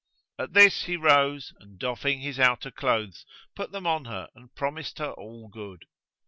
At this he rose and doffing his outer clothes put them on her and promised her all good.